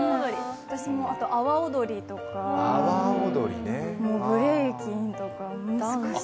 あと、阿波踊りとかブレイキンとか、難しい。